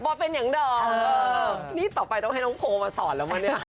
เป็นอย่างดอมนี่ต่อไปต้องให้น้องโพลมาสอนแล้วมั้ยเนี่ย